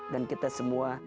dan kita semua